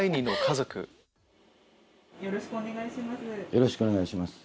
よろしくお願いします。